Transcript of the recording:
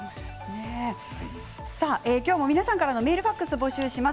今日も皆さんからのメール、ファックスを募集します。